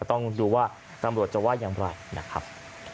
ต้องดูว่าตำรวจจะว่าอย่างไรนะครับ